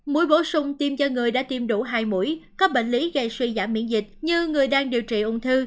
mũi bổ sung tiêm cho người đã tiêm đủ hai mũi có bệnh lý gây suy giảm miễn dịch như người đang điều trị ung thư